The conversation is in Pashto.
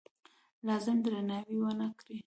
لازم درناوی ونه کړ.